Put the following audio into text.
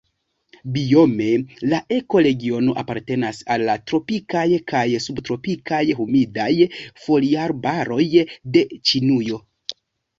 Biome la ekoregiono apartenas al la tropikaj kaj subtropikaj humidaj foliarbaroj de Ĉinujo.